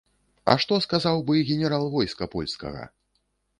А што сказаў бы генерал войска польскага?